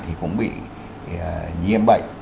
thì cũng bị nhiễm bệnh